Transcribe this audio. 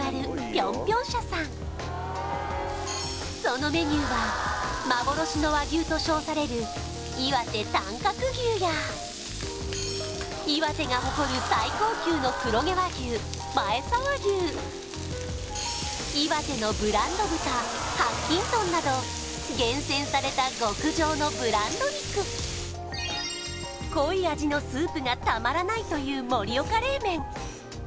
ぴょんぴょん舎さんそのメニューは幻の和牛と称されるいわて短角牛や岩手が誇る最高級の黒毛和牛前沢牛岩手のブランド豚白金豚など厳選された極上のブランド肉はいありがとう